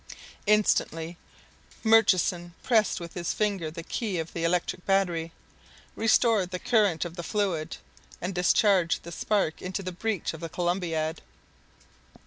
Instantly Murchison pressed with his finger the key of the electric battery, restored the current of the fluid, and discharged the spark into the breech of the Columbiad.